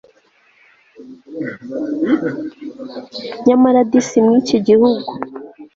nyamara disi mu iki gihugu